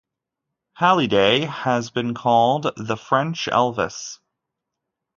Hallyday has been called "the French Elvis".